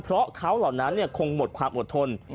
เพราะเขาเหล่านั้นคงหมดความอดทน